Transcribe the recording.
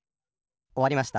おわりました。